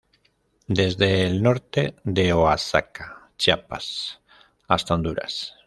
Desde el norte de Oaxaca, Chiapas hasta Honduras.